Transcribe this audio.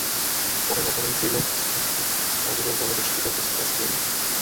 পরের ওভারেই ফিরলেন স্টিভেন ফিন, তাইজুলের বলে মুশফিকের কাছে ক্যাচ দিয়ে।